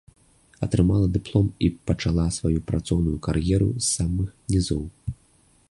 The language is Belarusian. Атрымала дыплом і пачала сваю працоўную кар'еру з самых нізоў.